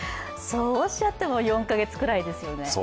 そうおっしゃっても４か月くらいですよね。